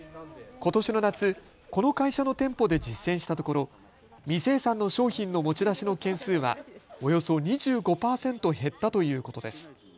ことしの夏、この会社の店舗で実践したところ未精算の商品の持ち出しの件数はおよそ２５％減ったということです。